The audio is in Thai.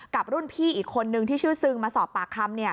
กับรุ่นพี่อีกคนนึงที่ชื่อซึงมาสอบปากคำ